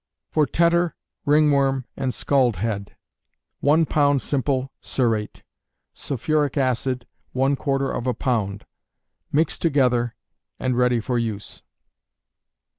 For Tetter, Ringworm, and Scald Head. One pound simple cerate; sulphuric acid, one quarter of a pound; mix together, and ready for use.